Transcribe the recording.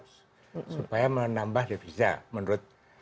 supaya menambah defisak menurut